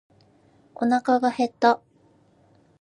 おなかが減った。